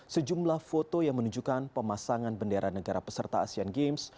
sejumlah foto yang menunjukkan pemasangan bendera negara peserta asian games